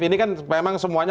ini kan memang semuanya